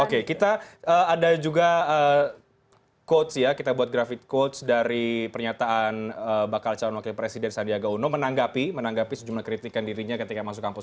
oke kita ada juga quotes ya kita buat grafik quotes dari pernyataan bakal calon wakil presiden sandiaga uno menanggapi sejumlah kritikan dirinya ketika masuk kampus